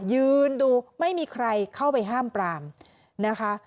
ยืนดูไม่มีใครเข้าไปห้ามปรามนะคะ